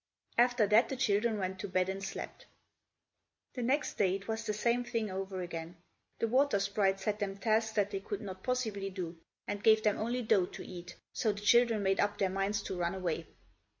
After that the children went to bed and slept. The next day it was the same thing over again. The water sprite set them tasks that they could not possibly do, and gave them only dough to eat, so the children made up their minds to run away.